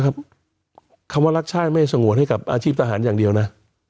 คำว่ารักชาติไม่สงวนให้กับอาชีพทหารอย่างเดียวนะ